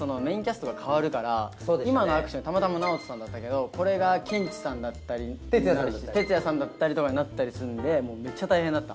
今のアクションたまたまＮＡＯＴＯさんだったけどこれがケンチさんだったりＴＥＴＳＵＹＡさんだったりとかになったりするんでめっちゃ大変だった。